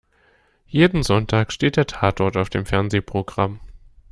Jeden Sonntag steht der Tatort auf dem Fernsehprogramm.